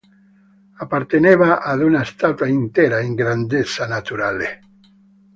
Apparteneva ad una statua intera, in grandezza naturale.